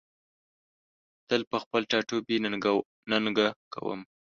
تل په خپل ټاټوبي ننګه کوم